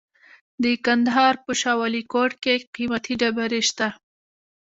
د کندهار په شاه ولیکوټ کې قیمتي ډبرې شته.